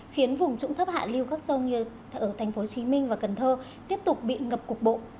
khiến vùng trũng thấp hạ lưu các sông như ở tp hcm và cần thơ tiếp tục bị ngập cục bộ